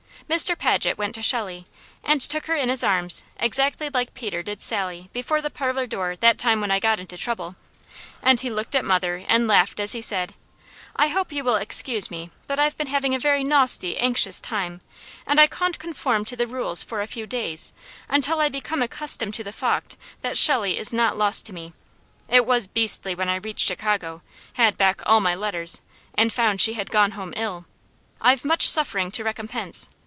Mr. Paget went to Shelley and took her in his arms exactly like Peter did Sally before the parlour door that time when I got into trouble, and he looked at mother and laughed as he said: "I hope you will excuse me, but I've been having a very nawsty, anxious time, and I cawn't conform to the rules for a few days, until I become accustomed to the fawct that Shelley is not lost to me. It was beastly when I reached Chicago, had back all my letters, and found she had gone home ill. I've much suffering to recompense.